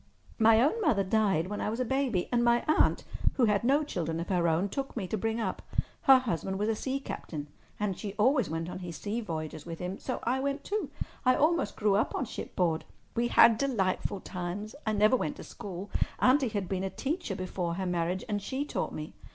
My own mother died when I was a baby, and my aunt, who had no children of her own, took me to bring up. Her husband was a sea captain, and she always went on his sea voyages with him. So I went too. I almost grew up on shipboard. We had delightful times. I never went to school. Auntie had been a teacher before her marriage, and she taught me.